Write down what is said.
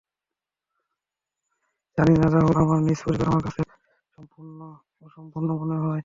জানি না রাহুল, আমার নিজের পরিবার আমার কাছে অসম্পূর্ণ মনে হয়।